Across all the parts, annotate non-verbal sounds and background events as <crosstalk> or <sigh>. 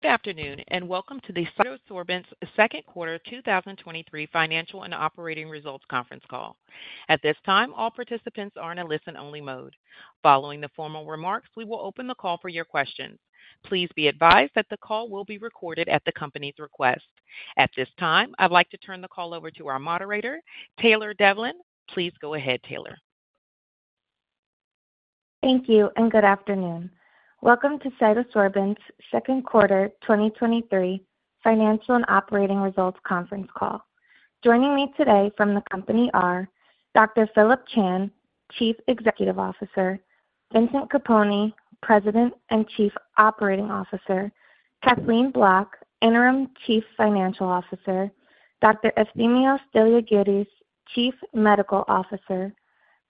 Good afternoon, and welcome to the CytoSorbents Second Quarter 2023 Financial and Operating Results Conference Call. At this time, all participants are in a listen-only mode. Following the formal remarks, we will open the call for your questions. Please be advised that the call will be recorded at the company's request. At this time, I'd like to turn the call over to our moderator, Taylor Devlin. Please go ahead, Taylor. Thank you and good afternoon. Welcome to CytoSorbents Second Quarter 2023 Financial and Operating Results Conference Call. Joining me today from the company are Dr. Phillip Chan, Chief Executive Officer; Vincent Capponi, President and Chief Operating Officer; Kathleen Bloch, Interim Chief Financial Officer; Dr. Efthymios Deliargyris, Chief Medical Officer;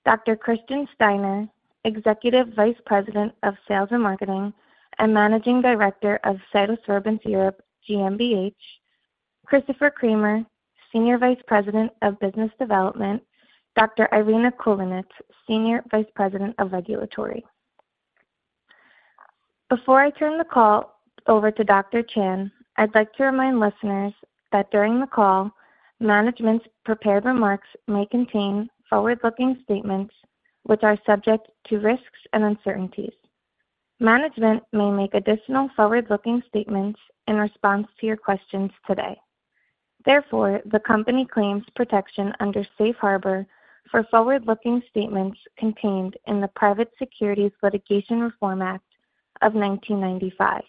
Dr. Christian Steiner, Executive Vice President of Sales and Marketing, and Managing Director of Cytosorbents Europe, GmbH; Christopher Cramer, Senior Vice President of Business Development; Dr. Irina Kulinets, Senior Vice President of Regulatory. Before I turn the call over to Dr. Chan, I'd like to remind listeners that during the call, management's prepared remarks may contain forward-looking statements, which are subject to risks and uncertainties. Management may make additional forward-looking statements in response to your questions today. The company claims protection under safe harbor for forward-looking statements contained in the Private Securities Litigation Reform Act of 1995.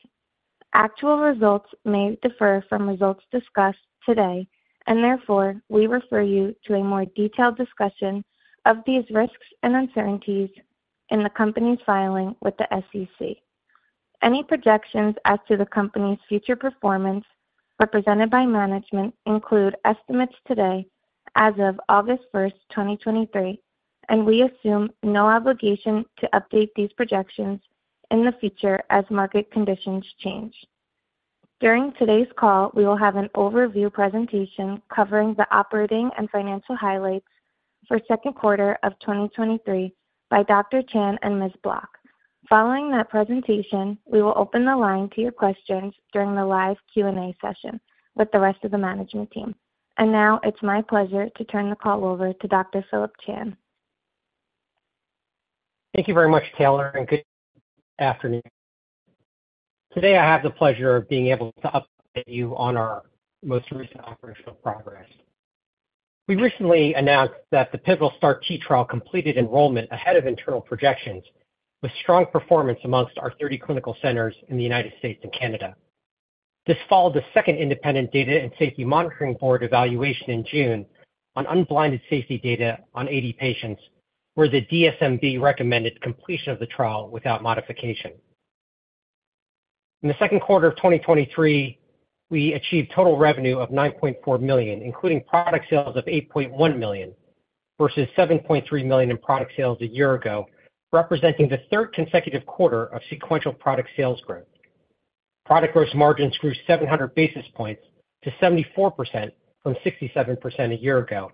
Actual results may differ from results discussed today, therefore, we refer you to a more detailed discussion of these risks and uncertainties in the company's filing with the SEC. Any projections as to the company's future performance represented by management include estimates today as of August 1st, 2023, we assume no obligation to update these projections in the future as market conditions change. During today's call, we will have an overview presentation covering the operating and financial highlights for second quarter of 2023 by Dr. Chan and Ms. Bloch. Following that presentation, we will open the line to your questions during the live Q&A session with the rest of the management team. Now it's my pleasure to turn the call over to Dr. Phillip Chan. Thank you very much, Taylor, and good afternoon. Today, I have the pleasure of being able to update you on our most recent operational progress. We recently announced that the pivotal STAR-T trial completed enrollment ahead of internal projections with strong performance amongst our 30 clinical centers in the United States and Canada. This followed the second independent Data & Safety Monitoring Board evaluation in June on unblinded safety data on 80 patients, where the DSMB recommended completion of the trial without modification. In the second quarter of 2023, we achieved total revenue of $9.4 million, including product sales of $8.1 million versus $7.3 million in product sales a year ago, representing the third consecutive quarter of sequential product sales growth. Product gross margins grew 700 basis points to 74% from 67% a year ago,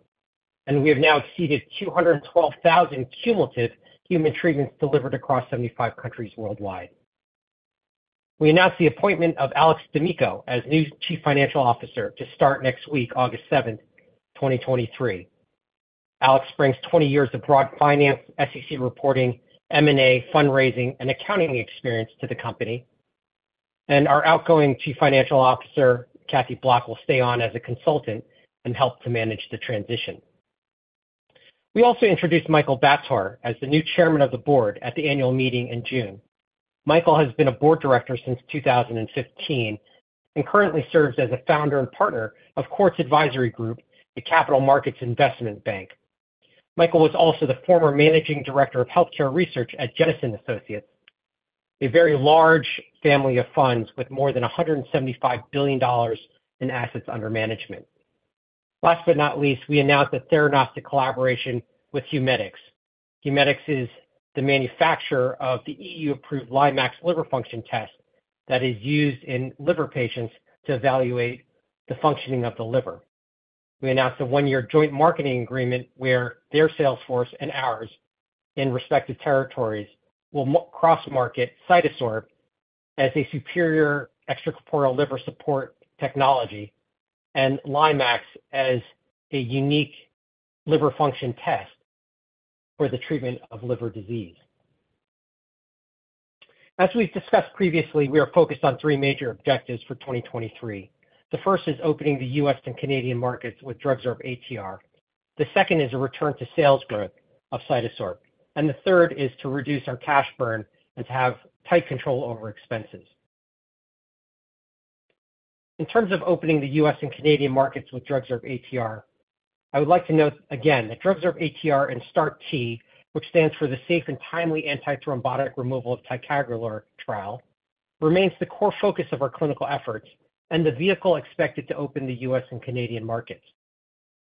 and we have now exceeded 212,000 cumulative human treatments delivered across 75 countries worldwide. We announced the appointment of Alex D'Amico as new Chief Financial Officer to start next week, August 7, 2023. Alex brings 20 years of broad finance, SEC reporting, M&A, fundraising, and accounting experience to the company, and our outgoing Chief Financial Officer, Kathy Bloch, will stay on as a consultant and help to manage the transition. We also introduced Michael Bator as the new Chairman of the Board at the annual meeting in June. Michael has been a board director since 2015 and currently serves as a founder and partner of Quartz Advisory Group, a capital markets investment bank. Michael was also the former Managing Director of Healthcare Research at Jennison Associates, a very large family of funds with more than $175 billion in assets under management. Last, not least, we announced a theranostic collaboration with Humedics. Humedics is the manufacturer of the EU-approved LiMAx liver function test that is used in liver patients to evaluate the functioning of the liver. We announced a one year joint marketing agreement where their sales force and ours in respective territories will cross-market CytoSorb as a superior, extracorporeal liver support technology, and LiMAx as a unique liver function test for the treatment of liver disease. As we've discussed previously, we are focused on three major objectives for 2023. The first is opening the US and Canadian markets with DrugSorb-ATR. The second is a return to sales growth of CytoSorb, and the third is to reduce our cash burn and to have tight control over expenses. In terms of opening the U.S. and Canadian markets with DrugSorb-ATR, I would like to note again that DrugSorb-ATR and STAR-T, which stands for the Safe and Timely Anti-thrombotic Removal of Ticagrelor trial, remains the core focus of our clinical efforts and the vehicle expected to open the U.S. and Canadian markets.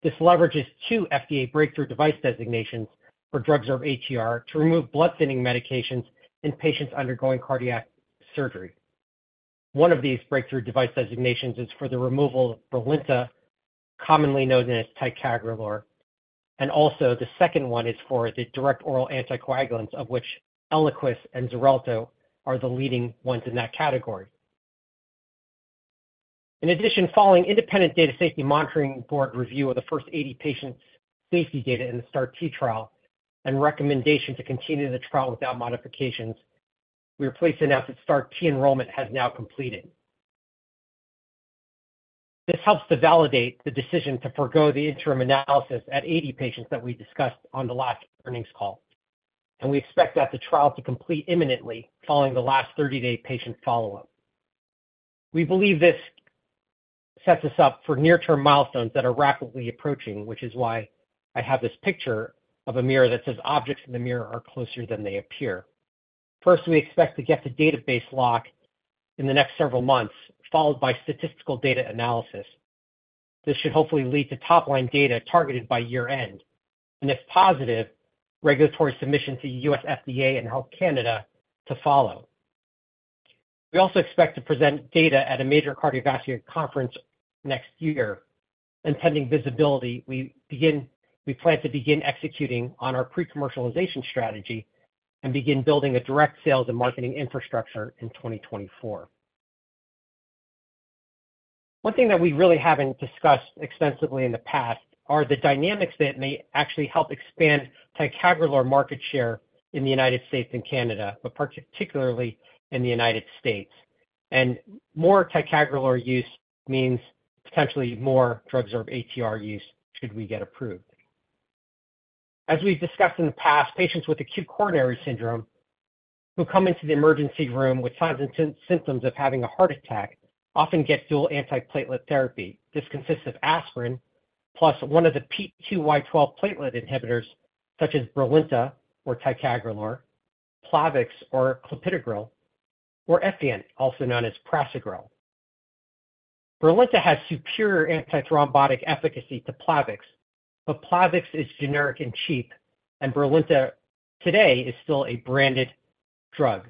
This leverages two FDA Breakthrough Device Designations for DrugSorb-ATR to remove blood-thinning medications in patients undergoing cardiac surgery. One of these Breakthrough Device Designations is for the removal of Brilinta, commonly known as Ticagrelor. Also the second one is for the direct oral anticoagulants, of which Eliquis and Xarelto are the leading ones in that category. In addition, following independent Data & Safety Monitoring Board review of the first 80 patient safety data in the STAR-T trial and recommendation to continue the trial without modifications, we are pleased to announce that STAR-T enrollment has now completed. This helps to validate the decision to forgo the interim analysis at 80 patients that we discussed on the last earnings call, and we expect that the trial to complete imminently following the last 30-day patient follow-up. We believe this sets us up for near-term milestones that are rapidly approaching, which is why I have this picture of a mirror that says, Objects in the mirror are closer than they appear. First, we expect to get the database lock in the next several months, followed by statistical data analysis. This should hopefully lead to top-line data targeted by year-end, and if positive, regulatory submission to U.S. FDA and Health Canada to follow. We also expect to present data at a major cardiovascular conference next year, and pending visibility, we plan to begin executing on our pre-commercialization strategy and begin building a direct sales and marketing infrastructure in 2024. One thing that we really haven't discussed extensively in the past are the dynamics that may actually help expand ticagrelor market share in the United States and Canada, but particularly in the United States. More ticagrelor use means potentially more drug or ATR use should we get approved. As we've discussed in the past, patients with acute coronary syndrome who come into the emergency room with signs and symptoms of having a heart attack often get dual antiplatelet therapy. This consists of aspirin plus one of the P2Y12 platelet inhibitors, such as Brilinta or ticagrelor, Plavix or clopidogrel, or Effient, also known as prasugrel. Brilinta has superior antithrombotic efficacy to Plavix, but Plavix is generic and cheap, and Brilinta today is still a branded drug.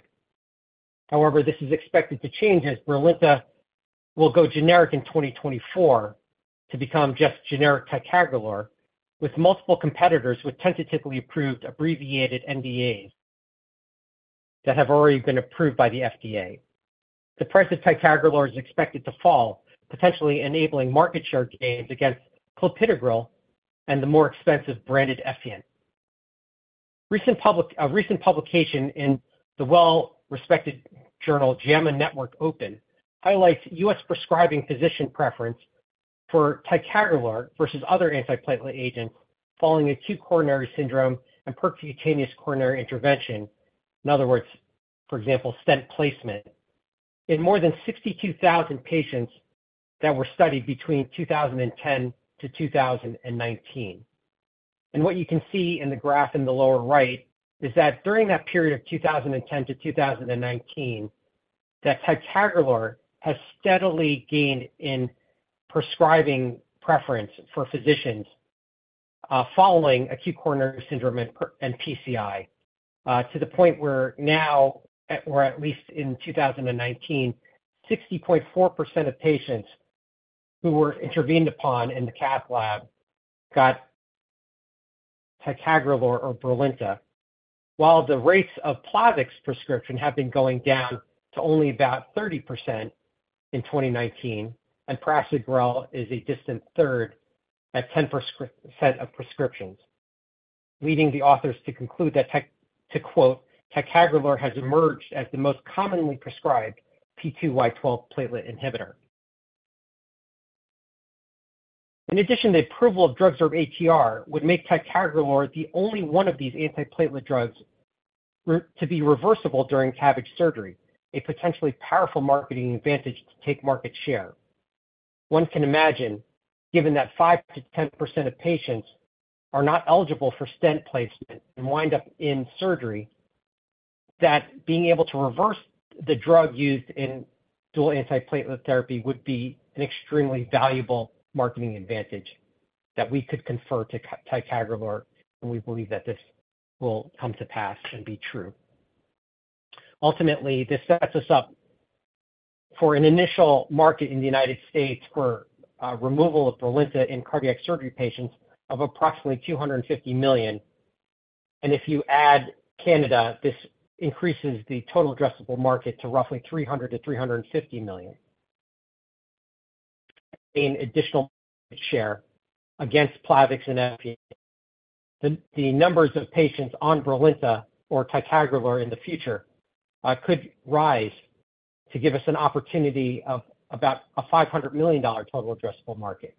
This is expected to change as Brilinta will go generic in 2024 to become just generic ticagrelor, with multiple competitors with tentatively approved abbreviated NDAs that have already been approved by the FDA. The price of ticagrelor is expected to fall, potentially enabling market share gains against clopidogrel and the more expensive branded Effient. Recent public, recent publication in the well-respected journal, JAMA Network Open, highlights U.S. prescribing physician preference for ticagrelor versus other antiplatelet agents following acute coronary syndrome and percutaneous coronary intervention. In other words, for example, stent placement. In more than 62,000 patients that were studied between 2010 to 2019. What you can see in the graph in the lower right is that during that period of 2010 to 2019, that ticagrelor has steadily gained in prescribing preference for physicians, following acute coronary syndrome and per, and PCI, to the point where now, or at least in 2019, 60.4% of patients who were intervened upon in the cath lab got ticagrelor or Brilinta, while the rates of Plavix prescription have been going down to only about 30% in 2019, and prasugrel is a distant third at 10% of prescriptions, leading the authors to conclude that tic... Ticagrelor has emerged as the most commonly prescribed P2Y12 platelet inhibitor. The approval of DrugSorb-ATR would make ticagrelor the only one of these anti-platelet drugs to be reversible during Plavix surgery, a potentially powerful marketing advantage to take market share. One can imagine, given that 5%-10% of patients are not eligible for stent placement and wind up in surgery, that being able to reverse the drug used in dual anti-platelet therapy would be an extremely valuable marketing advantage that we could confer to ticagrelor, and we believe that this will come to pass and be true. This sets us up for an initial market in the United States for removal of Brilinta in cardiac surgery patients of approximately $250 million. If you add Canada, this increases the total addressable market to roughly $300 million-$350 million. In additional share against Plavix and Effient, the numbers of patients on Brilinta or ticagrelor in the future could rise to give us an opportunity of about a $500 million total addressable market.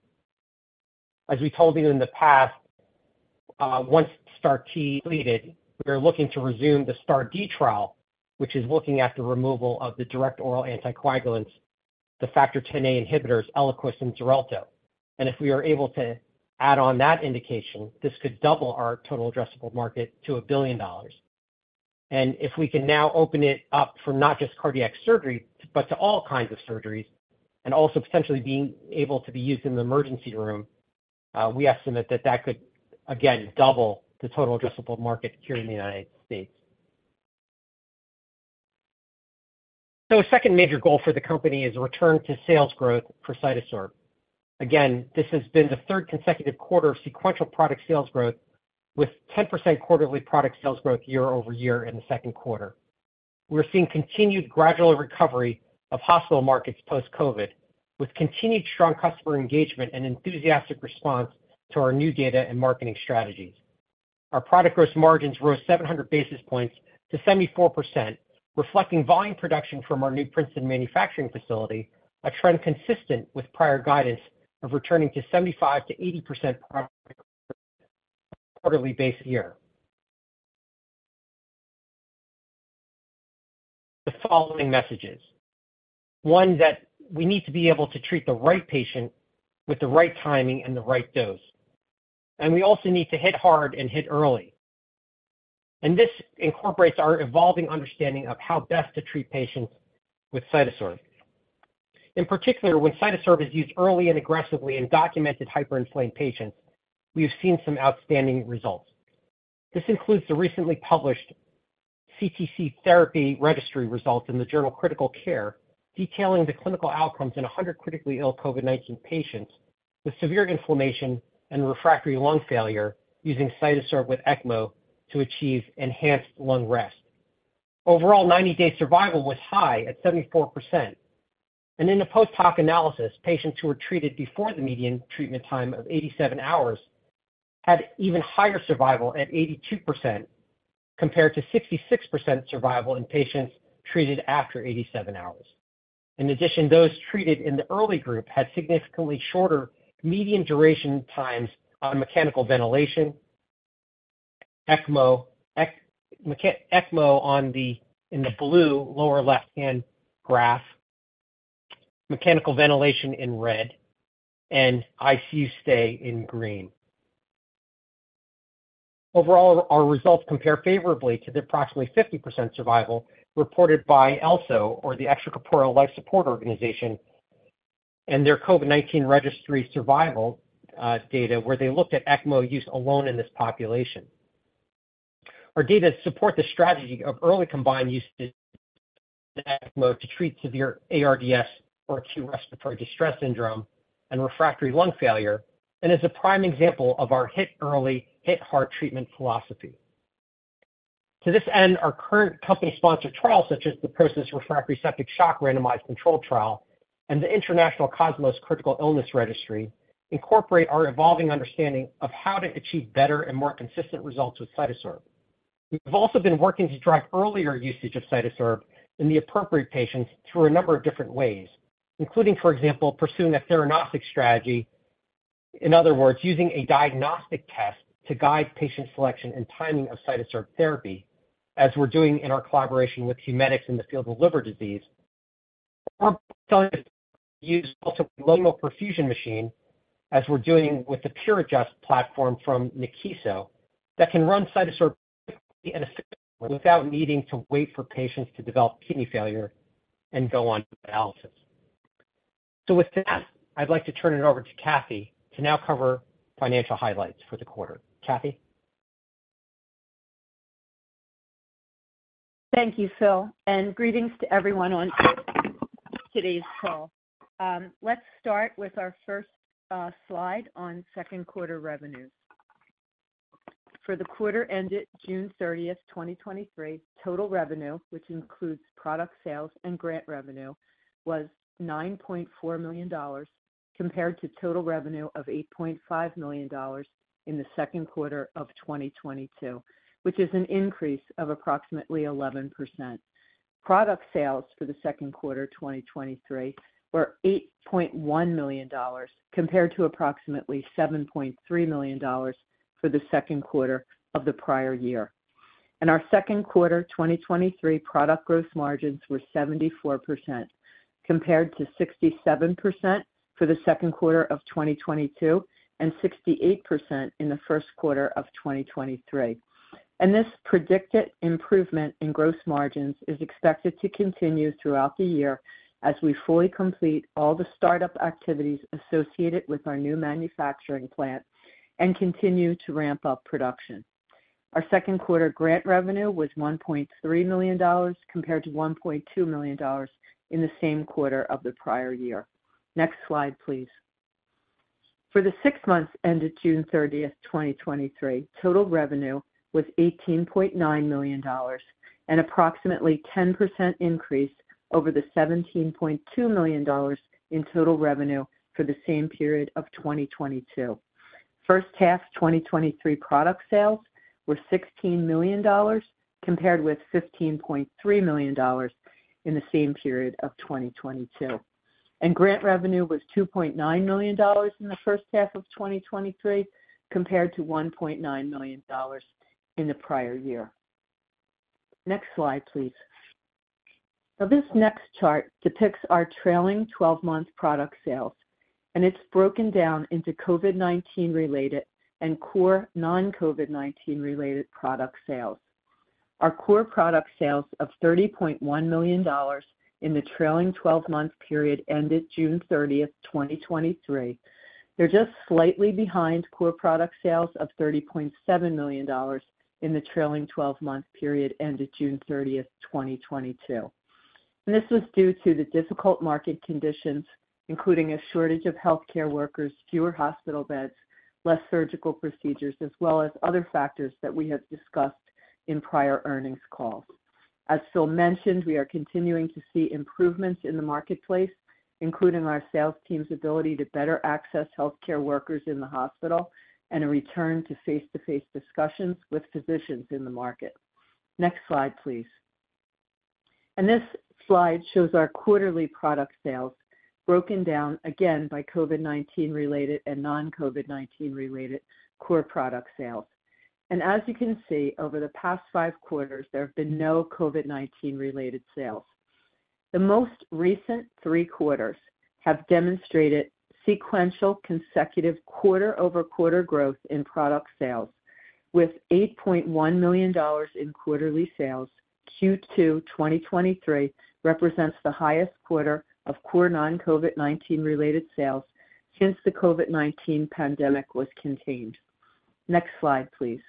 As we told you in the past, once STAR-T completed, we are looking to resume the STAR-D trial, which is looking at the removal of the direct oral anti-coagulants, the Factor Xa inhibitors, Eliquis and Xarelto. If we are able to add on that indication, this could double our total addressable market to $1 billion. If we can now open it up for not just cardiac surgery, but to all kinds of surgeries, and also potentially being able to be used in the emergency room, we estimate that that could, again, double the total addressable market here in the United States. A second major goal for the company is a return to sales growth for CytoSorb. Again, this has been the third consecutive quarter of sequential product sales growth, with 10% quarterly product sales growth year-over-year in the second quarter. We're seeing continued gradual recovery of hospital markets post-COVID, with continued strong customer engagement and enthusiastic response to our new data and marketing strategies. Our product gross margins rose 700 basis points to 74%, reflecting volume production from our new Princeton manufacturing facility, a trend consistent with prior guidance of returning to 75%-80% product quarterly base year. The following messages, one that we need to be able to treat the right patient with the right timing and the right dose, and we also need to hit hard and hit early. This incorporates our evolving understanding of how best to treat patients with CytoSorb. In particular, when CytoSorb is used early and aggressively in documented hyperinflamed patients, we have seen some outstanding results. This includes the recently published CTC therapy registry results in the journal Critical Care, detailing the clinical outcomes in 100 critically ill COVID-19 patients with severe inflammation and refractory lung failure using CytoSorb with ECMO to achieve enhanced lung rest. Overall, 90-day survival was high at 74%, and in the post-hoc analysis, patients who were treated before the median treatment time of 87 hours had even higher survival at 82%, compared to 66% survival in patients treated after 87 hours. In addition, those treated in the early group had significantly shorter median duration times on mechanical ventilation. ECMO, ECMO on the, in the blue lower left-hand graph, mechanical ventilation in red, and ICU stay in green. Overall, our results compare favorably to the approximately 50% survival reported by ELSO, or the Extracorporeal Life Support Organization, and their COVID-19 registry survival data, where they looked at ECMO use alone in this population. Our data support the strategy of early combined use of ECMO to treat severe ARDS, or acute respiratory distress syndrome, and refractory lung failure, and is a prime example of our hit early, hit hard treatment philosophy. To this end, our current company-sponsored trials, such as the PROCYSS refractory septic shock randomized controlled trial and the International COSMOS Critical Illness Registry, incorporate our evolving understanding of how to achieve better and more consistent results with CytoSorb. We've also been working to drive earlier usage of CytoSorb in the appropriate patients through a number of different ways, including, for example, pursuing a theranostics strategy. In other words, using a diagnostic test to guide patient selection and timing of CytoSorb therapy, as we're doing in our collaboration with Humedics in the field of liver disease. Our use also local perfusion machine, as we're doing with the PureADJUST platform from Nikkiso, that can run CytoSorb quickly and efficiently without needing to wait for patients to develop kidney failure and go on dialysis. With that, I'd like to turn it over to Kathy to now cover financial highlights for the quarter. Kathy? Thank you, Phil, and greetings to everyone on today's call. Let's start with our first slide on second quarter revenues. For the quarter ended June 30, 2023, total revenue, which includes product sales and grant revenue, was $9.4 million, compared to total revenue of $8.5 million in the second quarter of 2022, which is an increase of approximately 11%. Product sales for the second quarter, 2023, were $8.1 million, compared to approximately $7.3 million for the second quarter of the prior year. Our second quarter, 2023, product growth margins were 74%, compared to 67% for the second quarter of 2022 and 68% in the first quarter of 2023. This predicted improvement in gross margins is expected to continue throughout the year as we fully complete all the start-up activities associated with our new manufacturing plant and continue to ramp up production. Our second quarter grant revenue was $1.3 million, compared to $1.2 million in the same quarter of the prior year. Next slide, please. For the six months ended June 30, 2023, total revenue was $18.9 million, an approximately 10% increase over the $17.2 million in total revenue for the same period of 2022. First half 2023 product sales were $16 million, compared with $15.3 million in the same period of 2022. Grant revenue was $2.9 million in the first half of 2023, compared to $1.9 million in the prior year. Next slide, please. This next chart depicts our trailing twelve-month product sales, and it's broken down into COVID-19 related and core non-COVID-19 related product sales. Our core product sales of $30.1 million in the trailing twelve-month period ended June 30th, 2023, they're just slightly behind core product sales of $30.7 million in the trailing twelve-month period ended June 30th, 2022. This was due to the difficult market conditions, including a shortage of healthcare workers, fewer hospital beds, less surgical procedures, as well as other factors that we have discussed in prior earnings calls. As Phil mentioned, we are continuing to see improvements in the marketplace, including our sales team's ability to better access healthcare workers in the hospital and a return to face-to-face discussions with physicians in the market. Next slide, please. This slide shows our quarterly product sales broken down again by COVID-19 related and non-COVID-19 related core product sales. As you can see, over the past five quarters, there have been no COVID-19 related sales. The most recent three quarters have demonstrated sequential consecutive quarter-over-quarter growth in product sales, with $8.1 million in quarterly sales. Q2 2023 represents the highest quarter of core non-COVID-19 related sales since the COVID-19 pandemic was contained. Next slide, please.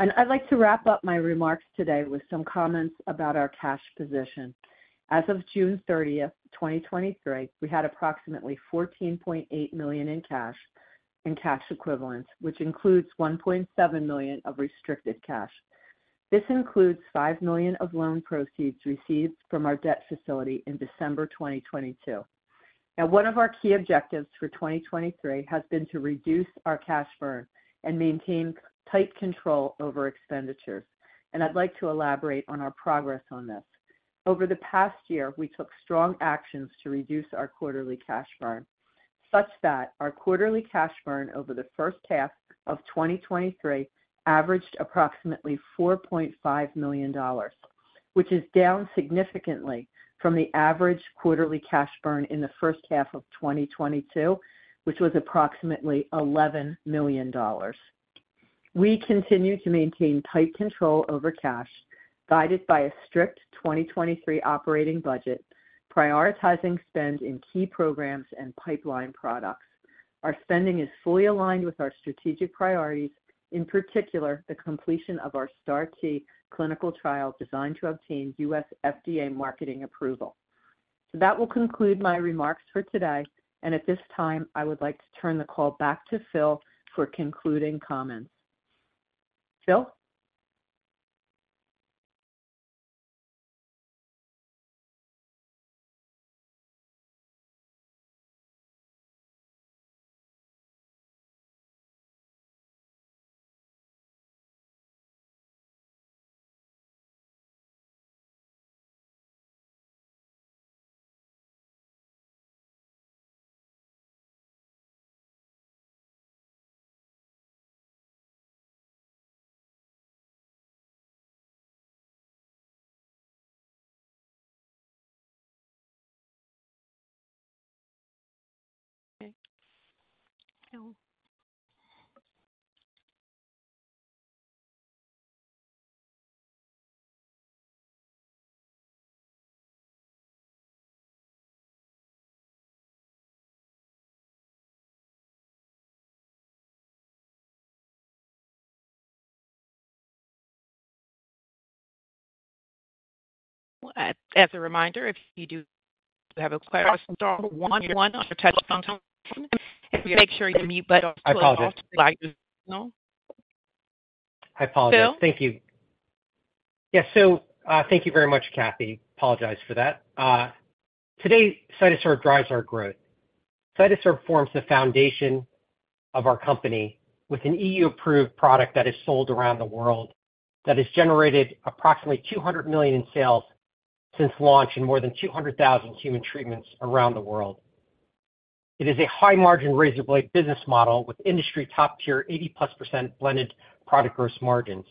I'd like to wrap up my remarks today with some comments about our cash position. As of June 30th, 2023, we had approximately $14.8 million in cash and cash equivalents, which includes $1.7 million of restricted cash. This includes $5 million of loan proceeds received from our debt facility in December 2022. Now, one of our key objectives for 2023 has been to reduce our cash burn and maintain tight control over expenditures, and I'd like to elaborate on our progress on this. Over the past year, we took strong actions to reduce our quarterly cash burn, such that our quarterly cash burn over the first half of 2023 averaged approximately $4.5 million, which is down significantly from the average quarterly cash burn in the first half of 2022, which was approximately $11 million. We continue to maintain tight control over cash, guided by a strict 2023 operating budget, prioritizing spend in key programs and pipeline products. Our spending is fully aligned with our strategic priorities, in particular, the completion of our STAR-T clinical trial designed to obtain U.S. FDA marketing approval. That will conclude my remarks for today, and at this time, I would like to turn the call back to Phil for concluding comments. Phil? As a reminder, if you do have a question, star one on your telephone. Make sure your mute button- I apologize. I apologize. Phil? Thank you. Yes, thank you very much, Kathy. I apologize for that. Today, CytoSorb drives our growth. CytoSorb forms the foundation of our company with an EU-approved product that is sold around the world, that has generated approximately $200 million in sales since launch in more than 200,000 human treatments around the world. It is a high-margin, razor blade business model with industry top-tier, 80%+ blended product gross margins,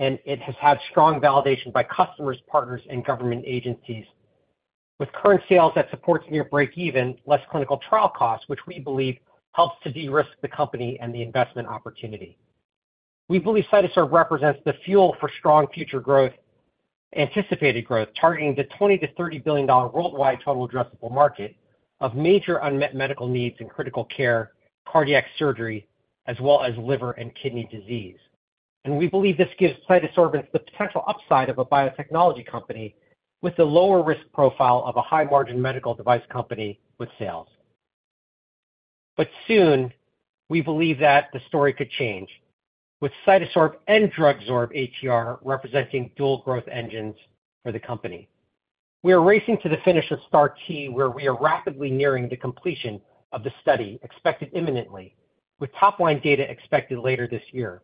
and it has had strong validation by customers, partners, and government agencies. With current sales that supports near breakeven, less clinical trial costs, which we believe helps to de-risk the company and the investment opportunity. We believe CytoSorb represents the fuel for strong future growth, anticipated growth, targeting the $20 billion-$30 billion worldwide total addressable market of major unmet medical needs in critical care, cardiac surgery, as well as liver and kidney disease. We believe this gives CytoSorb the potential upside of a biotechnology company with a lower risk profile of a high-margin medical device company with sales. Soon, we believe that the story could change, with CytoSorb and DrugSorb-ATR representing dual growth engines for the company. We are racing to the finish of STAR-T, where we are rapidly nearing the completion of the study, expected imminently, with top line data expected later this year.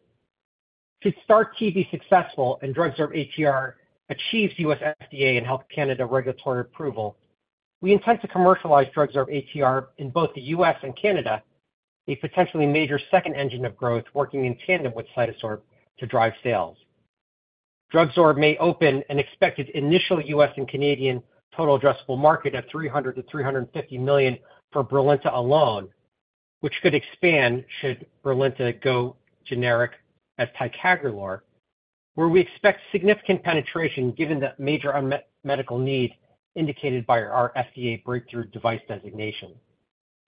Should STAR-T be successful and DrugSorb-ATR achieves U.S. FDA and Health Canada regulatory approval, we intend to commercialize DrugSorb-ATR in both the U.S. and Canada, a potentially major second engine of growth working in tandem with CytoSorb to drive sales. DrugSorb may open an expected initial U.S. and Canadian total addressable market of $300 million-$350 million for Brilinta alone, which could expand should Brilinta go generic as ticagrelor, where we expect significant penetration given the major unmet medical need indicated by our FDA Breakthrough Device Designation.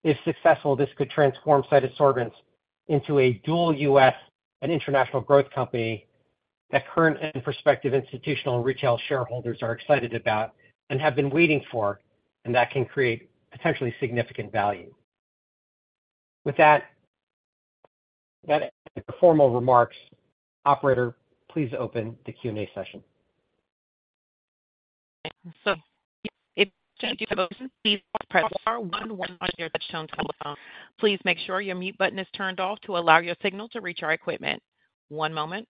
If successful, this could transform CytoSorbents into a dual U.S. and international growth company that current and prospective institutional and retail shareholders are excited about and have been waiting for, and that can create potentially significant value. With that, that the formal remarks, operator, please open the Q&A session. If you have questions, please press star one one <inaudible> telephone. Please make sure your mute button is turned off to allow your signal to reach our equipment. One moment.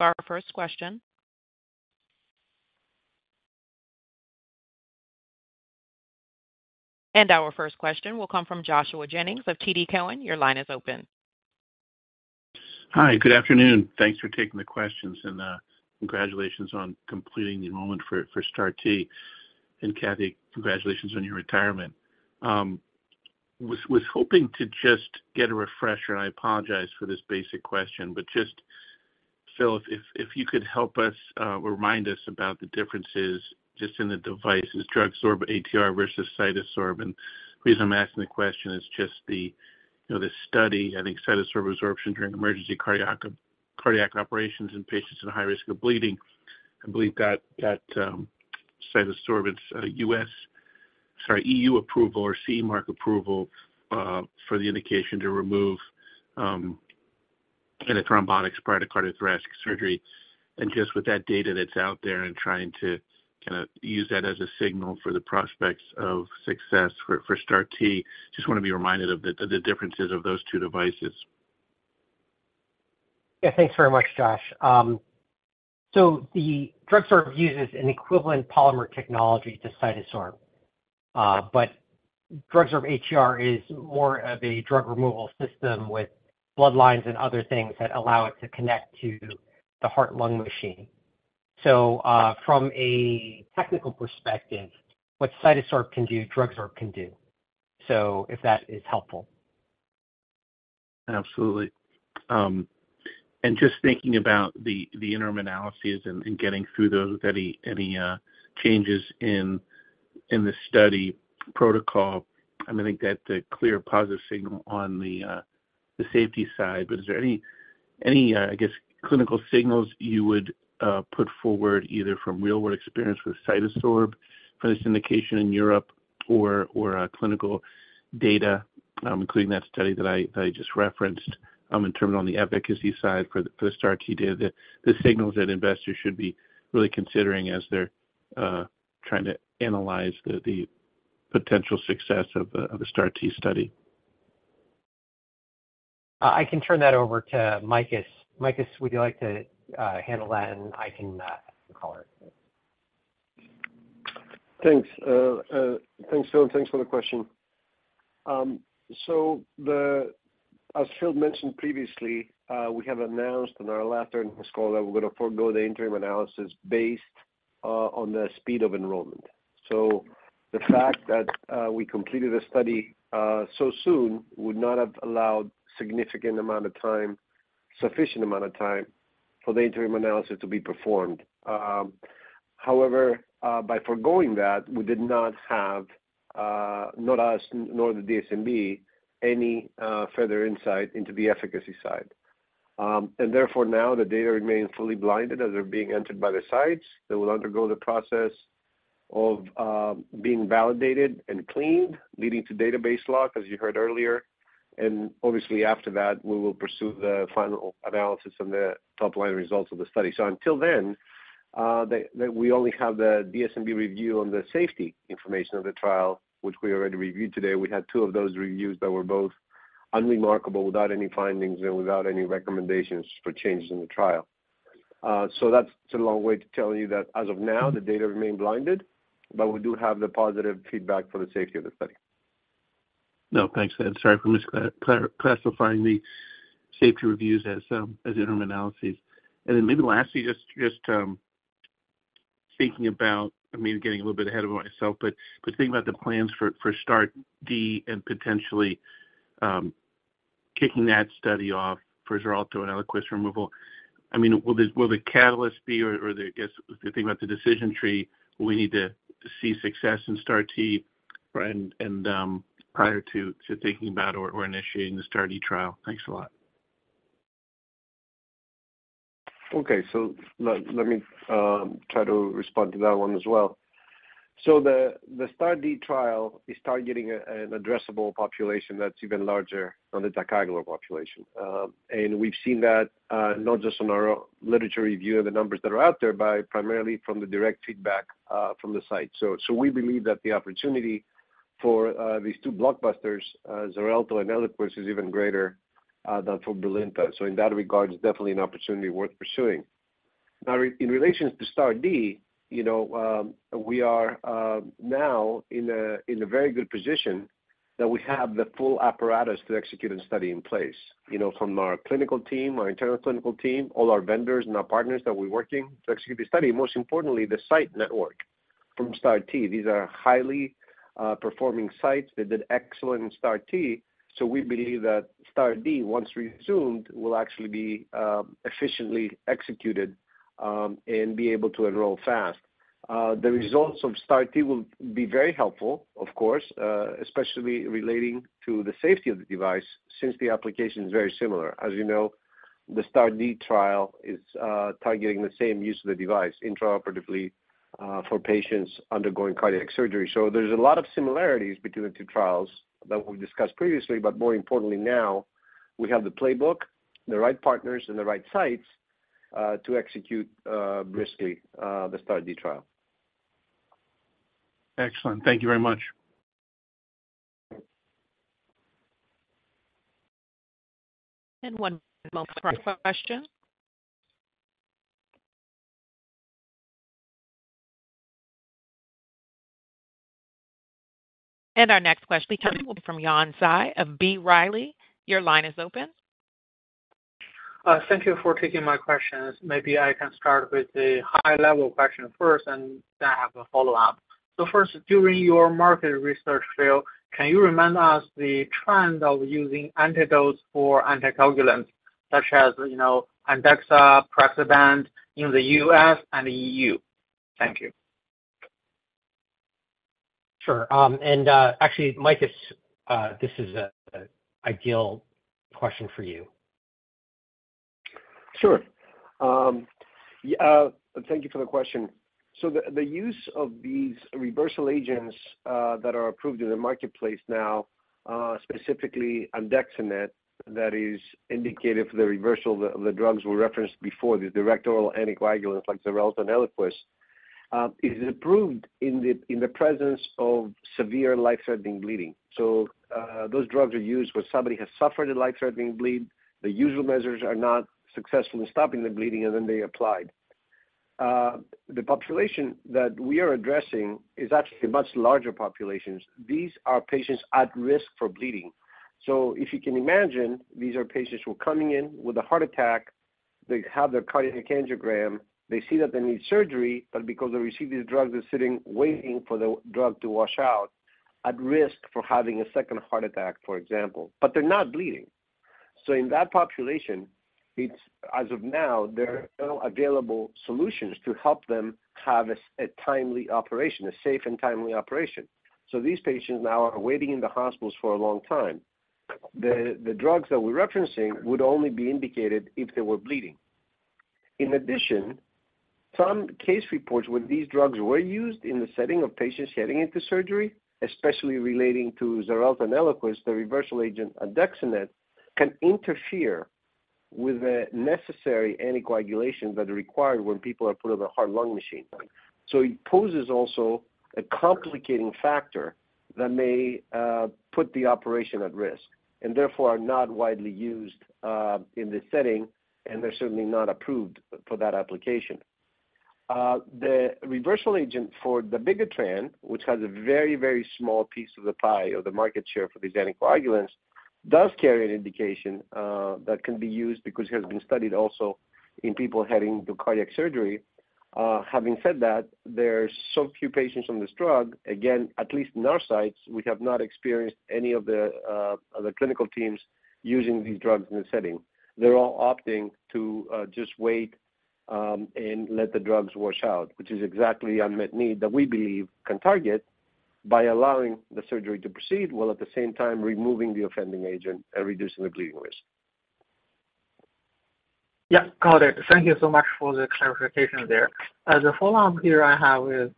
Our first question. Our first question will come from Joshua Jennings of TD Cowen. Your line is open. Hi, good afternoon. Thanks for taking the questions, congratulations on completing the enrollment for, for STAR-T. Kathy, congratulations on your retirement. Was hoping to just get a refresher, and I apologize for this basic question, but just, Phil, if, if you could help us remind us about the differences just in the devices, DrugSorb-ATR versus CytoSorb. The reason I'm asking the question is just the, you know, the study, I think, CytoSorb absorption during emergency cardiac, cardiac operations in patients in high risk of bleeding. I believe that, that Cytosorbents, sorry, EU approval or CE mark approval for the indication to remove kind of thrombotics prior to cardiothoracic surgery, and just with that data that's out there and trying to kind of use that as a signal for the prospects of success for, for STAR-T. Just wanna be reminded of the, the differences of those 2 devices. Yeah. Thanks very much, Josh. The DrugSorb uses an equivalent polymer technology to CytoSorb, but DrugSorb-ATR is more of a drug removal system with bloodlines and other things that allow it to connect to the heart-lung machine. From a technical perspective, what CytoSorb can do, DrugSorb can do. If that is helpful. Absolutely. Just thinking about the, the interim analyses and, and getting through those, any, any changes in, in the study protocol, I mean, I think that's a clear positive signal on the safety side. Is there any, any, I guess, clinical signals you would put forward, either from real-world experience with CytoSorb for this indication in Europe or, or clinical data, including that study that I, that I just referenced, in terms on the efficacy side for the, for the STAR-T data, the signals that investors should be really considering as they're trying to analyze the, the potential success of the, of the STAR-T study? I can turn that over to Makis. Makis, would you like to handle that? I can call it. Thanks. Thanks, Phil, thanks for the question. As Phil mentioned previously, we have announced on our last earnings call that we're gonna forgo the interim analysis based on the speed of enrollment. The fact that we completed a study so soon would not have allowed significant amount of time, sufficient amount of time, for the interim analysis to be performed. However, by foregoing that, we did not have, not us, nor the DSMB, any further insight into the efficacy side. Therefore, now the data remains fully blinded as they're being entered by the sites. They will undergo the process of being validated and cleaned, leading to database lock, as you heard earlier, and obviously after that, we will pursue the final analysis and the top-line results of the study. Until then, we only have the DSMB review on the safety information of the trial, which we already reviewed today. We had two of those reviews that were both unremarkable, without any findings and without any recommendations for changes in the trial. That's a long way to telling you that as of now, the data remain blinded, but we do have the positive feedback for the safety of the study. No, thanks. Sorry for classifying the safety reviews as interim analyses. Then maybe lastly, I mean, getting a little bit ahead of myself, thinking about the plans for STAR-D and potentially kicking that study off for Xarelto and Eliquis removal. I mean, will the catalyst be, the, I guess, the thing about the decision tree, will we need to see success in STAR-T prior to thinking about initiating the STAR-D trial? Thanks a lot. Okay. Let, let me try to respond to that 1 as well. The STAR-D trial is targeting an addressable population that's even larger than the ticagrelor population. And we've seen that not just on our own literature review and the numbers that are out there, but primarily from the direct feedback from the site. We believe that the opportunity for these two blockbusters, Xarelto and Eliquis, is even greater than for Brilinta. In that regard, it's definitely an opportunity worth pursuing. Now, in relations to STAR-D, you know, we are now in a, in a very good position that we have the full apparatus to execute and study in place, you know, from our clinical team, our internal clinical team, all our vendors and our partners that we're working to execute the study, most importantly, the site network from STAR-T. These are highly performing sites that did excellent in STAR-T, so we believe that STAR-D, once resumed, will actually be efficiently executed and be able to enroll fast. The results of STAR-T will be very helpful, of course, especially relating to the safety of the device, since the application is very similar. As you know, the STAR-D trial is targeting the same use of the device, intraoperatively, for patients undergoing cardiac surgery. There's a lot of similarities between the two trials that we've discussed previously, but more importantly, now, we have the playbook, the right partners and the right sites to execute briskly the STAR-D trial. Excellent. Thank you very much. One moment for the next question. Our next question will come from Yuan Zhi of B. Riley. Your line is open. Thank you for taking my questions. Maybe I can start with the high-level question first, and then I have a follow-up. First, during your market research field, can you remind us the trend of using antidotes for anticoagulants such as, you know, Andexxa, Praxbind in the U.S. and EU? Thank you. Sure. Actually, Mike, this is an ideal question for you. Sure. Yeah, thank you for the question. The, the use of these reversal agents, that are approved in the marketplace now, specifically Andexanet, that is indicated for the reversal of the drugs we referenced before, the direct oral anticoagulants like Xarelto and Eliquis, is approved in the, in the presence of severe life-threatening bleeding. Those drugs are used when somebody has suffered a life-threatening bleed, the usual measures are not successful in stopping the bleeding, and then they applied. The population that we are addressing is actually a much larger populations. These are patients at risk for bleeding. If you can imagine, these are patients who are coming in with a heart attack, they have their cardiac angiogram, they see that they need surgery, but because they receive these drugs, they're sitting, waiting for the drug to wash out, at risk for having a second heart attack, for example, but they're not bleeding. In that population, it's as of now, there are no available solutions to help them have a timely operation, a safe and timely operation. These patients now are waiting in the hospitals for a long time. The drugs that we're referencing would only be indicated if they were bleeding. Some case reports where these drugs were used in the setting of patients heading into surgery, especially relating to Xarelto and Eliquis, the reversal agent, Andexanet, can interfere with the necessary anticoagulation that are required when people are put on a heart-lung machine. It poses also a complicating factor that may put the operation at risk, and therefore are not widely used in this setting, and they're certainly not approved for that application. The reversal agent for the bigger trend, which has a very, very small piece of the pie or the market share for these anticoagulants, does carry an indication that can be used because it has been studied also in people heading to cardiac surgery. Having said that, there are so few patients on this drug, again, at least in our sites, we have not experienced any of the clinical teams using these drugs in the setting. They're all opting to just wait and let the drugs wash out, which is exactly unmet need that we believe can target by allowing the surgery to proceed, while at the same time removing the offending agent and reducing the bleeding risk. Yeah, got it. Thank you so much for the clarification there. As a follow-up here I have is,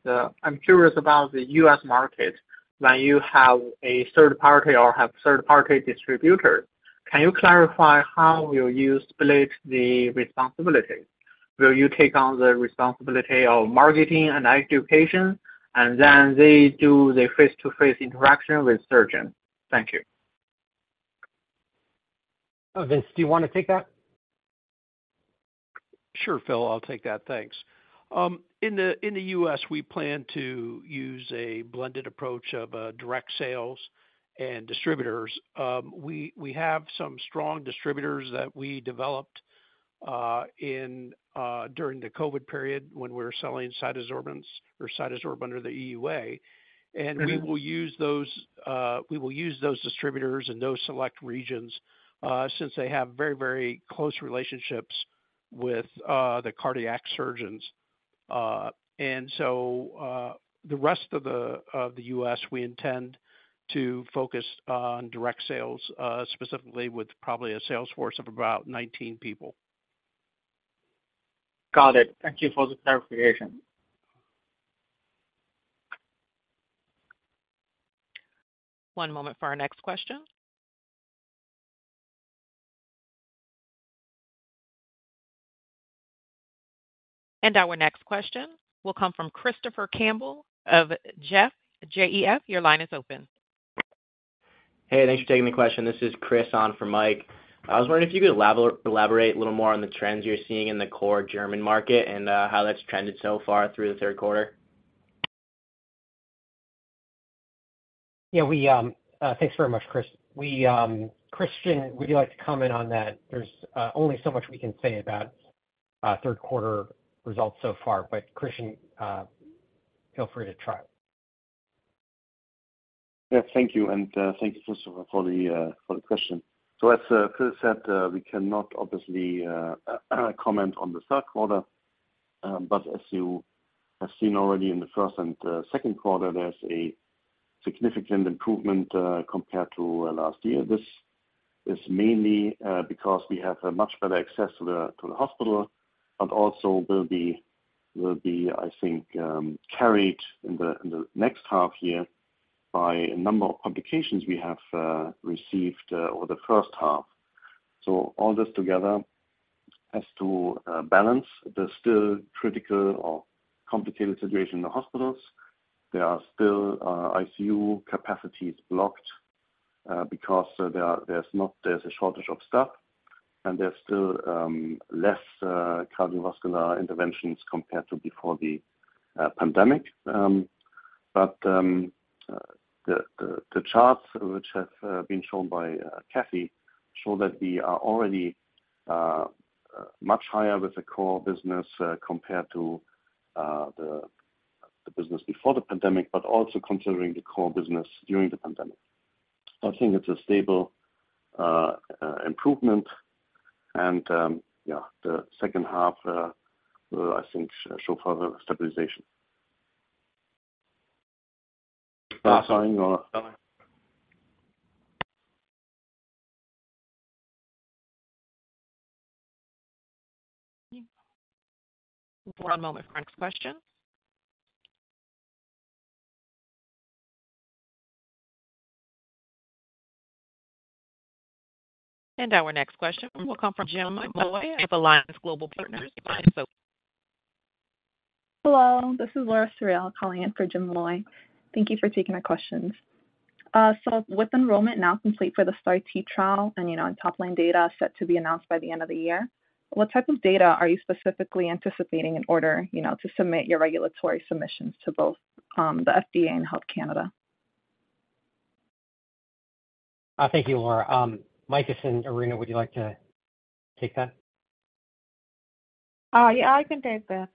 I'm curious about the U.S. market. When you have a third party or have third-party distributor, can you clarify how will you split the responsibility? Will you take on the responsibility of marketing and education, and then they do the face-to-face interaction with surgeon? Thank you. Vince, do you want to take that? Sure, Phil, I'll take that. Thanks. In the U.S., we plan to use a blended approach of direct sales and distributors. We, we have some strong distributors that we developed in during the COVID period when we were selling Cytosorbents or CytoSorb under the EUA. We will use those, we will use those distributors in those select regions, since they have very, very close relationships with the cardiac surgeons. The rest of the U.S., we intend to focus on direct sales, specifically with probably a sales force of about 19 people. Got it. Thank you for the clarification. One moment for our next question. Our next question will come from Christopher Campbell of Jeff, J-E-F. Your line is open. Hey, thanks for taking the question. This is Chris on for Mike. I was wondering if you could elaborate a little more on the trends you're seeing in the core German market and how that's trended so far through the third quarter? Yeah, we, thanks very much, Chris. We, Christian, would you like to comment on that? There's only so much we can say about third quarter results so far. Christian, feel free to try. Yeah, thank thank you, Christopher, for the question. As Phil said, we cannot obviously comment on the third quarter. As you have seen already in the first and second quarter, there's a significant improvement compared to last year. This is mainly because we have a much better access to the, to the hospital, but also will be, will be, I think, carried in the next half year by a number of publications we have received over the first half. All this together has to balance. There's still critical or complicated situation in the hospitals. There are still ICU capacities blocked because there's not, there's a shortage of staff, and there's still less cardiovascular interventions compared to before the pandemic. The charts which have been shown by Kathy show that we are already much higher with the core business compared to the business before the pandemic, but also considering the core business during the pandemic. I think it's a stable improvement and, yeah, the second half will, I think, show further stabilization. One moment for our next question. Our next question will come from Jim Moy of Alliance Global Partners. Hello, this is Laura Suriel calling in for Jim Moy. Thank you for taking my questions. With enrollment now complete for the STAR-T trial and, you know, and top line data set to be announced by the end of the year, what type of data are you specifically anticipating in order, you know, to submit your regulatory submissions to both, the FDA and Health Canada? Thank you, Laura. Makis and Irina, would you like to take that? Yeah, I can take that.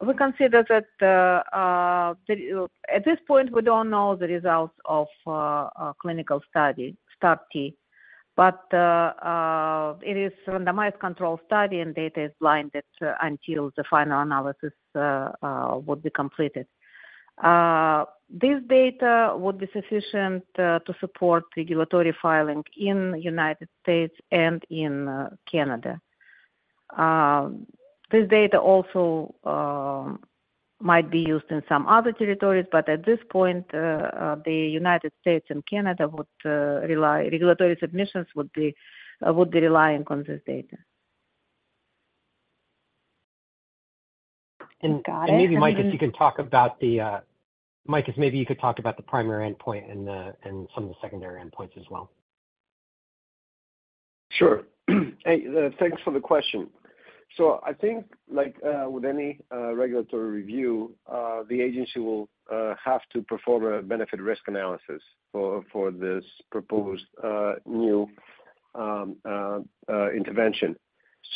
At this point, we don't know the results of a clinical study, STAR-T, but it is a randomized control study, and data is blinded until the final analysis will be completed. This data would be sufficient to support regulatory filing in United States and in Canada. This data also might be used in some other territories, but at this point, the United States and Canada regulatory submissions would be relying on this data. Got it. Maybe, Makis, you can talk about the, Makis, maybe you could talk about the primary endpoint and the, and some of the secondary endpoints as well. Sure. Hey, thanks for the question. I think, like, with any regulatory review, the agency will have to perform a benefit risk analysis for this proposed new intervention.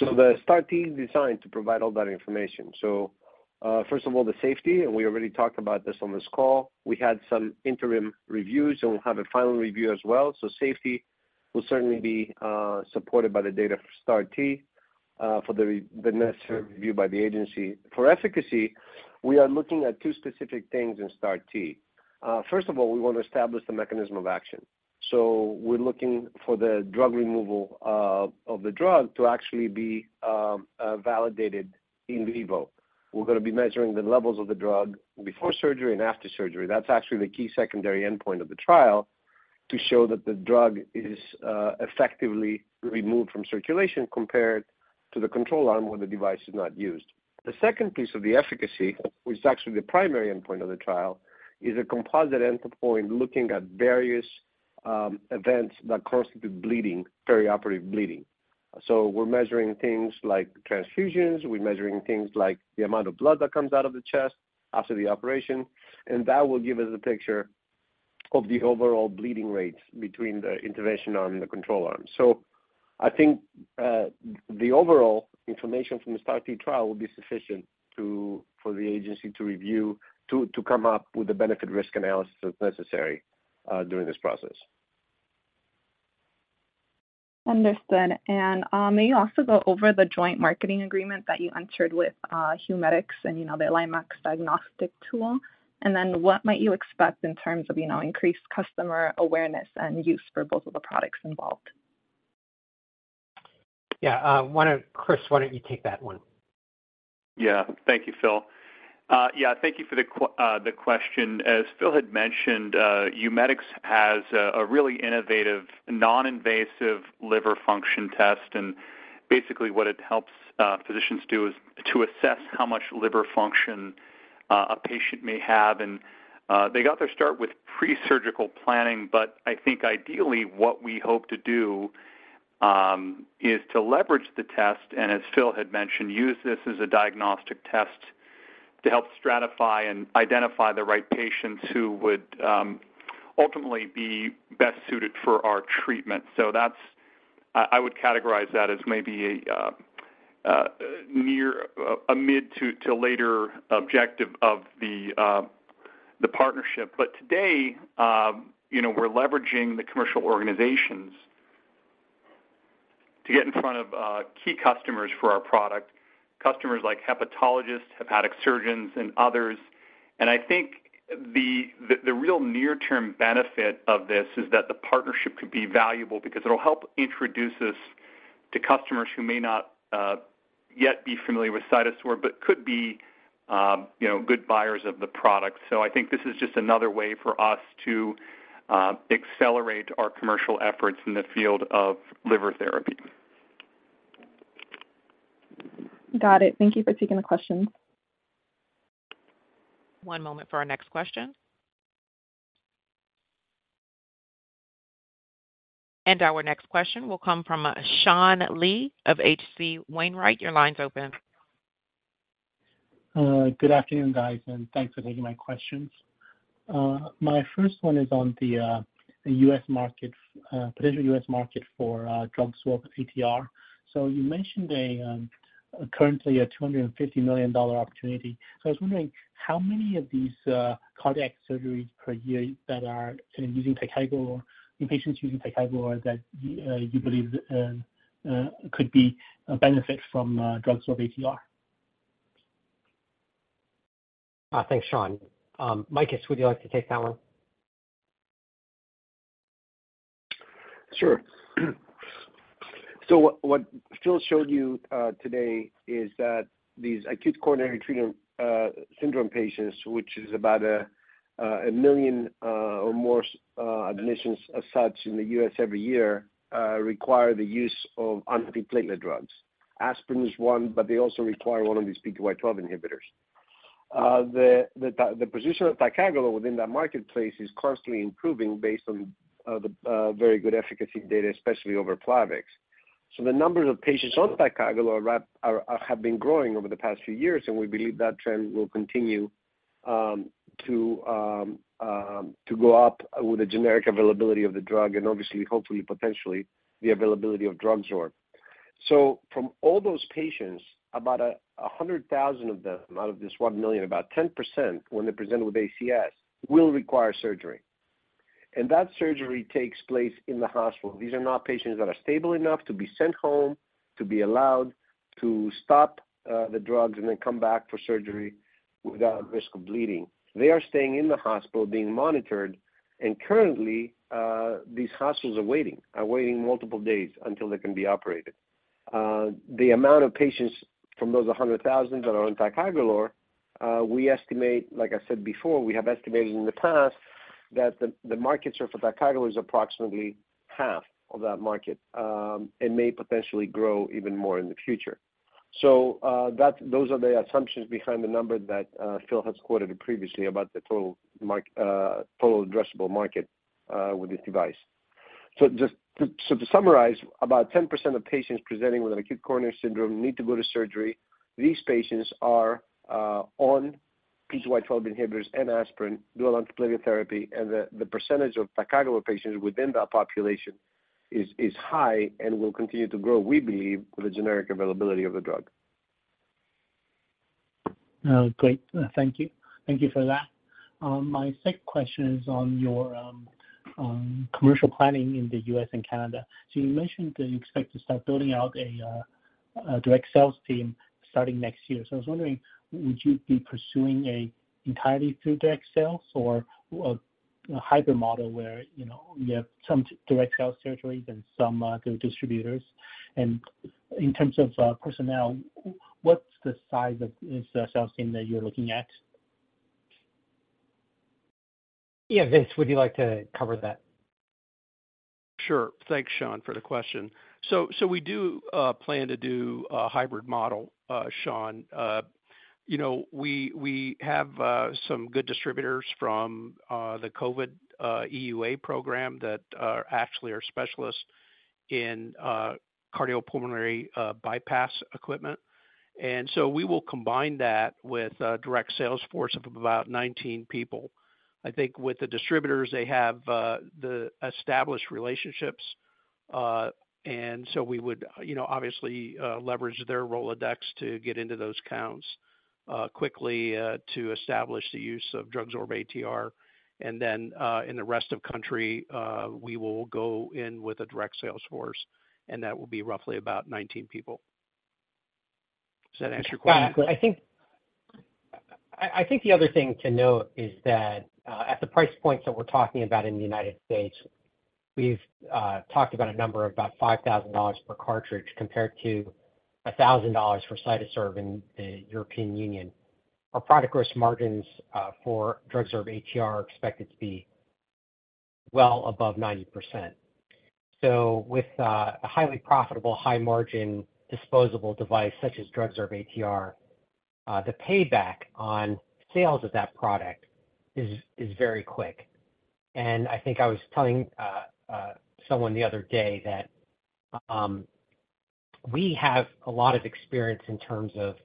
The STAR-T is designed to provide all that information. First of all, the safety, and we already talked about this on this call. We had some interim reviews, and we'll have a final review as well. Safety will certainly be supported by the data for STAR-T for the necessary review by the agency. For efficacy, we are looking at two specific things in STAR-T. First of all, we want to establish the mechanism of action. We're looking for the drug removal of the drug to actually be validated in vivo. We're going to be measuring the levels of the drug before surgery and after surgery. That's actually the key secondary endpoint of the trial, to show that the drug is effectively removed from circulation compared to the control arm, where the device is not used. The second piece of the efficacy, which is actually the primary endpoint of the trial, is a composite endpoint, looking at various events that cause the bleeding, perioperative bleeding. We're measuring things like transfusions. We're measuring things like the amount of blood that comes out of the chest after the operation, and that will give us a picture of the overall bleeding rates between the intervention arm and the control arm. I think, the overall information from the STAR-T trial will be sufficient to, for the agency to review, to, to come up with the benefit risk analysis as necessary, during this process. Understood. May you also go over the joint marketing agreement that you entered with Humedics and, you know, the LiMAx diagnostic tool? Then what might you expect in terms of, you know, increased customer awareness and use for both of the products involved? Yeah, why don't, Chris, why don't you take that one? Yeah. Thank you, Phil. Yeah, thank you for the question. As Phil had mentioned, Humedics has a, a really innovative, non-invasive liver function test, and basically what it helps physicians do is to assess how much liver function a patient may have. They got their start with pre-surgical planning, but I think ideally what we hope to do is to leverage the test, and as Phil had mentioned, use this as a diagnostic test to help stratify and identify the right patients who would ultimately be best suited for our treatment. That's I, I would categorize that as maybe a near, a mid to, to later objective of the partnership. Today, you know, we're leveraging the commercial organizations to get in front of key customers for our product, customers like hepatologists, hepatic surgeons, and others. I think the, the, the real near-term benefit of this is that the partnership could be valuable because it'll help introduce us to customers who may not yet be familiar with CytoSorb, but could be, you know, good buyers of the product. I think this is just another way for us to accelerate our commercial efforts in the field of liver therapy. Got it. Thank you for taking the question. One moment for our next question. Our next question will come from Sean Lee of H.C. Wainwright. Your line's open. Good afternoon, guys, and thanks for taking my questions. My first one is on the U.S. market, potential U.S. market for DrugSorb-ATR. You mentioned a, currently a $250 million opportunity. I was wondering, how many of these, cardiac surgeries per year that are kind of using ticagrelor, in patients using ticagrelor, that you, you believe, could be benefit from DrugSorb-ATR? Thanks, Sean. Makis, would you like to take that one? Sure. What Phil showed you today is that these acute coronary syndrome patients, which is about 1 million or more admissions as such in the U.S. every year, require the use of antiplatelet drugs. Aspirin is one, but they also require one of these P2Y12 inhibitors. The position of ticagrelor within that marketplace is constantly improving based on the very good efficacy data, especially over Plavix. The numbers of patients on ticagrelor have been growing over the past few years, and we believe that trend will continue to go up with the generic availability of the drug and obviously, hopefully, potentially, the availability of DrugSorb. From all those patients, about 100,000 of them out of this 1 million, about 10%, when they're presented with ACS, will require surgery. That surgery takes place in the hospital. These are not patients that are stable enough to be sent home, to be allowed to stop the drugs and then come back for surgery without risk of bleeding. They are staying in the hospital, being monitored, and currently, these hospitals are waiting, are waiting multiple days until they can be operated. The amount of patients from those 100,000 that are on ticagrelor, we estimate, like I said before, we have estimated in the past, that the market share for ticagrelor is approximately half of that market, and may potentially grow even more in the future. That those are the assumptions behind the number that Phil has quoted previously about the total mark, total addressable market with this device. To summarize, about 10% of patients presenting with an acute coronary syndrome need to go to surgery. These patients are on P2Y12 inhibitors and aspirin, dual antiplatelet therapy, and the percentage of ticagrelor patients within that population is high and will continue to grow, we believe, with the generic availability of the drug. Great. Thank you. Thank you for that. My second question is on your commercial planning in the U.S. and Canada. You mentioned that you expect to start building out a direct sales team starting next year. I was wondering, would you be pursuing entirely through direct sales or a hybrid model where, you know, you have some direct sales territory and some through distributors? And in terms of personnel, what's the size of this sales team that you're looking at? Yeah, Vince, would you like to cover that? Sure. Thanks, Sean, for the question. So we do plan to do a hybrid model, Sean. You know, we have some good distributors from the COVID EUA program that are actually are specialists in cardiopulmonary bypass equipment. So we will combine that with a direct sales force of about 19 people. I think with the distributors, they have the established relationships, so we would, you know, obviously, leverage their Rolodex to get into those accounts quickly to establish the use of DrugSorb-ATR. Then in the rest of country, we will go in with a direct sales force, and that will be roughly about 19 people. Does that answer your question? I think, I think the other thing to note is that, at the price points that we're talking about in the United States, we've talked about a number of about $5,000 per cartridge, compared to $1,000 for CytoSorb in the European Union. Our product gross margins for DrugSorb-ATR are expected to be well above 90%. With a highly profitable, high-margin, disposable device such as DrugSorb-ATR, the payback on sales of that product is very quick. I think I was telling someone the other day that we have a lot of experience in terms of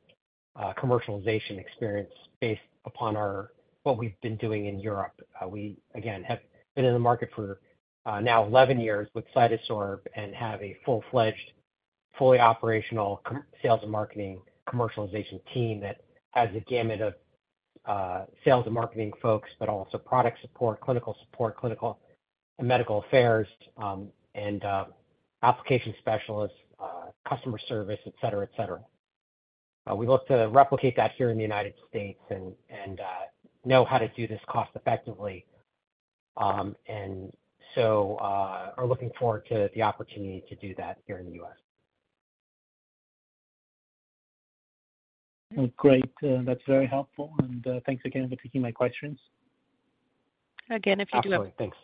commercialization experience based upon our, what we've been doing in Europe. We, again, have been in the market for 11 years with CytoSorb and have a full-fledged, fully operational sales and marketing commercialization team that has a gamut of sales and marketing folks, but also product support, clinical support, clinical and medical affairs, and application specialists, customer service, et cetera, et cetera. We look to replicate that here in the United States and know how to do this cost effectively, and so are looking forward to the opportunity to do that here in the U.S. Great. That's very helpful, and thanks again for taking my questions. Again, if you do have- Absolutely. Thanks.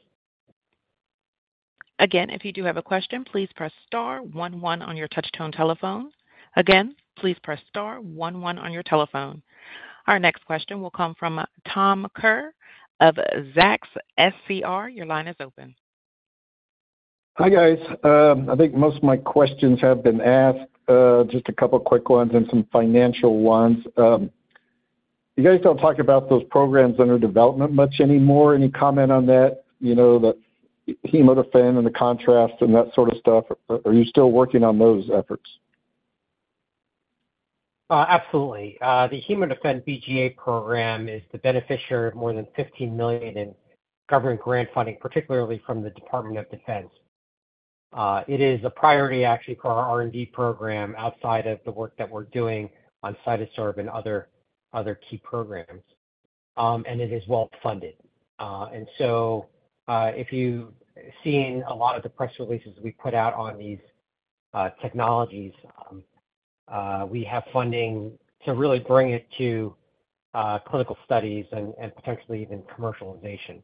Again, if you do have a question, please press star one one on your touch tone telephone. Again, please press star one one on your telephone. Our next question will come from Tom Kerr of Zacks SCR. Your line is open. Hi, guys. I think most of my questions have been asked. Just a couple quick ones and some financial ones. You guys don't talk about those programs under development much anymore. Any comment on that? You know, the HemoDefend and the contrast and that sort of stuff. Are you still working on those efforts? Absolutely. The HemoDefend-BGA program is the beneficiary of more than $15 million in government grant funding, particularly from the Department of Defense. It is a priority, actually for our R&D program, outside of the work that we're doing on CytoSorb and other, other key programs. It is well funded. If you've seen a lot of the press releases we put out on these technologies, we have funding to really bring it to clinical studies and potentially even commercialization.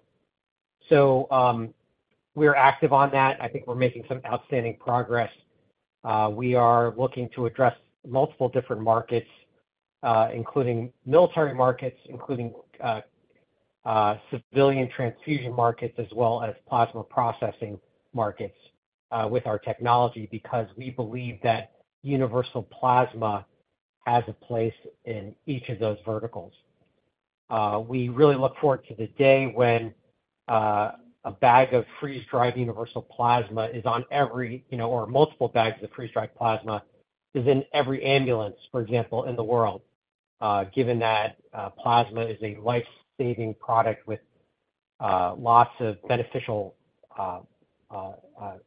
We're active on that. I think we're making some outstanding progress. We are looking to address multiple different markets, including military markets, including civilian transfusion markets, as well as plasma processing markets with our technology, because we believe that universal plasma has a place in each of those verticals. We really look forward to the day when a bag of freeze-dried universal plasma is on every, you know, or multiple bags of freeze-dried plasma is in every ambulance, for example, in the world, given that plasma is a life-saving product with lots of beneficial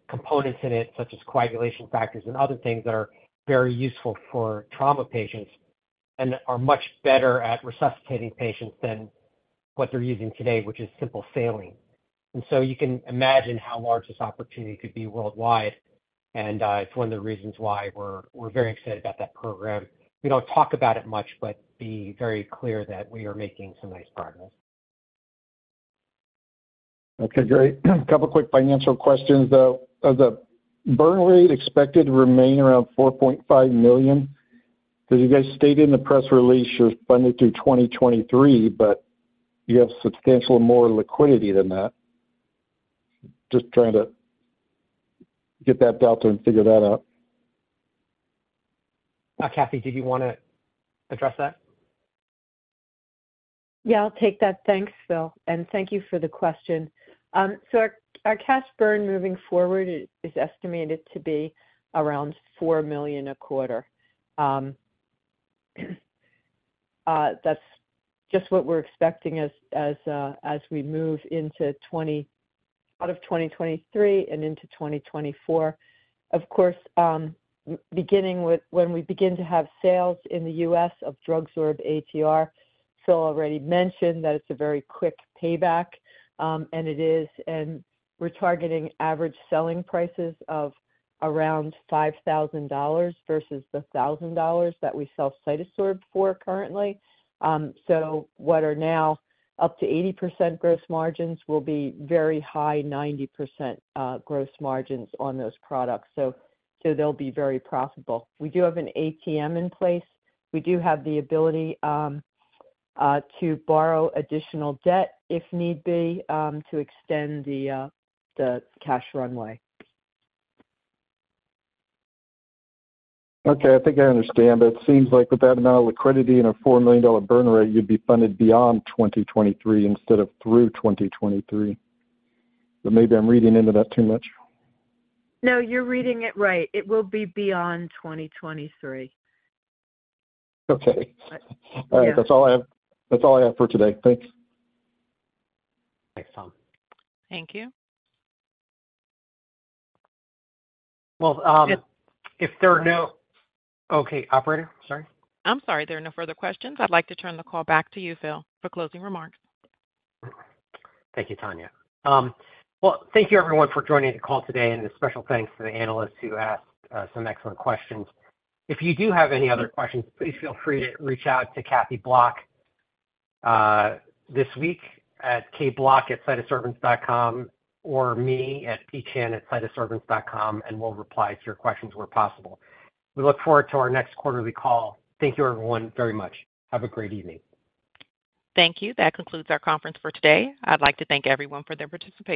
components in it, such as coagulation factors and other things that are very useful for trauma patients and are much better at resuscitating patients than what they're using today, which is simple saline. You can imagine how large this opportunity could be worldwide, and it's one of the reasons why we're, we're very excited about that program. We don't talk about it much, but be very clear that we are making some nice progress. Okay, great. A couple quick financial questions, though. Does the burn rate expected to remain around $4.5 million? You guys stated in the press release you're funded through 2023, but you have substantial more liquidity than that. Just trying to get that out there and figure that out. Kathy, did you want to address that? Yeah, I'll take that. Thanks, Phil, and thank you for the question. So our, our cash burn moving forward is estimated to be around $4 million a quarter. That's just what we're expecting as, as, as we move out of 2023 and into 2024. Of course, when we begin to have sales in the U.S. of DrugSorb-ATR, Phil already mentioned that it's a very quick payback, and it is. We're targeting average selling prices of around $5,000 versus the $1,000 that we sell CytoSorb for currently. What are now up to 80% gross margins will be very high, 90% gross margins on those products, so, so they'll be very profitable. We do have an ATM in place. We do have the ability, to borrow additional debt, if need be, to extend the cash runway. Okay, I think I understand, it seems like with that amount of liquidity and a $4 million burn rate, you'd be funded beyond 2023 instead of through 2023. Maybe I'm reading into that too much. No, you're reading it right. It will be beyond 2023. Okay. Yeah. All right. That's all I have, that's all I have for today. Thanks. Thanks, Tom. Thank you. Well, if there are no... Okay, operator, sorry? I'm sorry, there are no further questions. I'd like to turn the call back to you, Phil, for closing remarks. Thank you, Tanya. Well, thank you everyone for joining the call today, and a special thanks to the analysts who asked some excellent questions. If you do have any other questions, please feel free to reach out to Kathleen Bloch this week at kbloch@cytosorbents.com, or me at pchan@cytosorbents.com, and we'll reply to your questions where possible. We look forward to our next quarterly call. Thank you everyone, very much. Have a great evening. Thank you. That concludes our conference for today. I'd like to thank everyone for their participation.